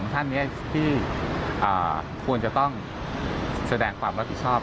ท่านที่ควรจะต้องแสดงความรับผิดชอบ